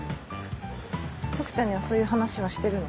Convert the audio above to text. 福ちゃんにはそういう話はしてるの？